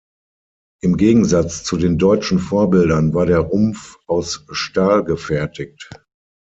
Im Gegensatz zu den deutschen Vorbildern war der Rumpf aus Stahl gefertigt.